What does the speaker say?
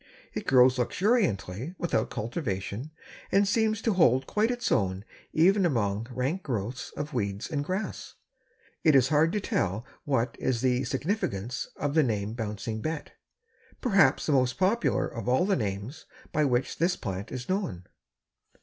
It grows luxuriantly without cultivation and seems to quite hold its own even among rank growths of weeds and grass. It is hard to tell what is the significance of the name Bouncing Bet, perhaps the most popular of all the names by which this plant is known.